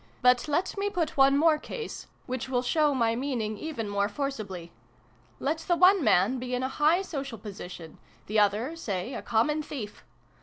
But let me put one more case, which will show my meaning even more forcibly. Let the one man be in a high social position the other, say, a common thief.